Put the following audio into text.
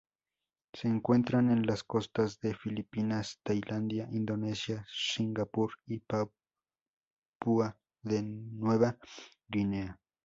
Se encuentran en las costas de Filipinas, Tailandia, Indonesia, Singapur y Papúa Nueva Guinea.